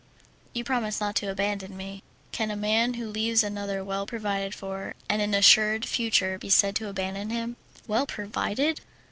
"You promised not to abandon me." "Can a man who leaves another well provided for and an assured future be said to abandon him?" "Well provided!